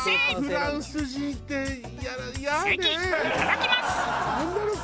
関いただきます！